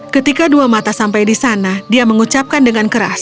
ketika dua mata sampai di sana dia mengucapkan dengan keras